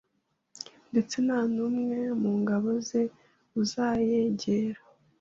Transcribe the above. Ndetse nta n’umwe mu ngabo ze uzayegera